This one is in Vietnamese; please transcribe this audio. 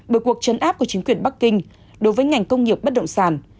bởi cuộc chấn áp của chính quyền bắc kinh đối với ngành công nghiệp bất động sản